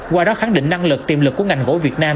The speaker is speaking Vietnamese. qua đó khẳng định năng lực tiềm lực của ngành gỗ việt nam